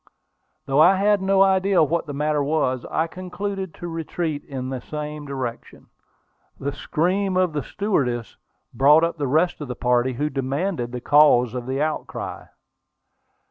Though I had no idea what the matter was, I concluded to retreat in the same direction. The scream of the stewardess brought up the rest of the party, who demanded the cause of the outcry.